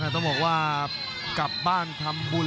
ต้องบอกว่ากลับบ้านทำบุญ